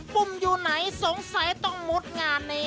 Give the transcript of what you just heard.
ปุ่มอยู่ไหนสงสัยต้องมุดงานนี้